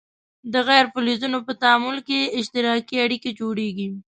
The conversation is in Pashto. د غیر فلزونو په تعامل کې اشتراکي اړیکې جوړیږي.